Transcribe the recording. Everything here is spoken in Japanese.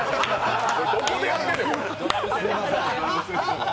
どこでやってんねん。